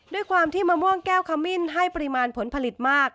ด้วยความที่มะม่วงแก้วขมิ้นให้ปริมาณผลผลิตมาก